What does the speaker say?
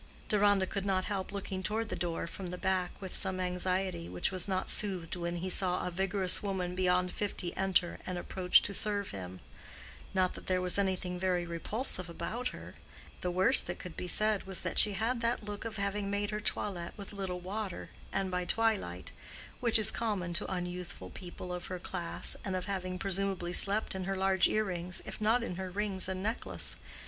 Deronda could not help looking toward the door from the back with some anxiety, which was not soothed when he saw a vigorous woman beyond fifty enter and approach to serve him. Not that there was anything very repulsive about her: the worst that could be said was that she had that look of having made her toilet with little water, and by twilight, which is common to unyouthful people of her class, and of having presumably slept in her large earrings, if not in her rings and necklace.